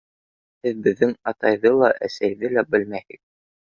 — Һеҙ беҙҙең атайҙы ла, әсәйҙе лә белмәйһегеҙ.